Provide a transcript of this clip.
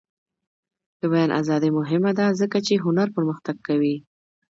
د بیان ازادي مهمه ده ځکه چې هنر پرمختګ کوي.